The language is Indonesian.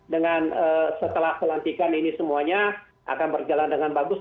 dengan setelah pelantikan ini semuanya akan berjalan dengan bagus